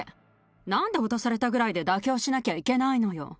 なんで脅されたぐらいで妥協しなきゃいけないのよ。